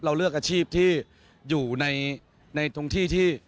เลือกอาชีพที่อยู่ในตรงที่ที่